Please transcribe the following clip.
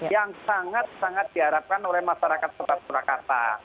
yang sangat sangat diharapkan oleh masyarakat kota surakarta